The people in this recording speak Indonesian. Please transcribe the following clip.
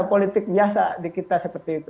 politik biasa di kita seperti itu